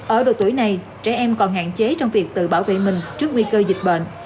ở độ tuổi này trẻ em còn hạn chế trong việc tự bảo vệ mình trước nguy cơ dịch bệnh